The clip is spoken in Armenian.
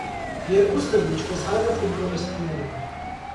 Երկուսն էլ՝ ինչպես հայրը ֆուտբոլիստներ են։